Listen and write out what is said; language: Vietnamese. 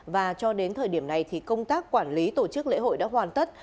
và cho đến thời điểm này thì công tác quản lý tổ chức lễ hội đã hoàn tất